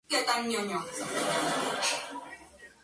El nido está lleno de plumas, a menudo de otras especies de aves.